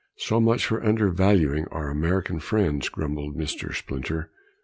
"So much for undervaluing our American friends," grumbled Mr. Splinter.